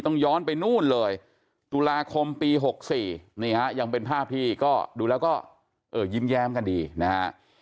ย้อนไปนู่นเลยตุลาคมปี๖๔นี่ฮะยังเป็นภาพที่ก็ดูแล้วก็ยิ้มแย้มกันดีนะฮะ